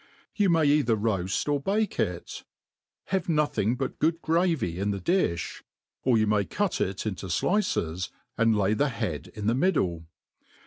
You may either roaft or bake it. Have noching birc good gravy in the diOi. Or yoa may cut it into flices,' an^ lay the head in the middle.